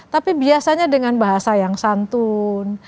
tapi biasanya dengan bahasa yang santun